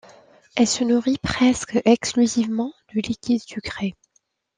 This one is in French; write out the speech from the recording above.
Elle se nourrit presque exclusivement de liquides sucrés.